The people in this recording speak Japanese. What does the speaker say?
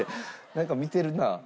なんか見てるな。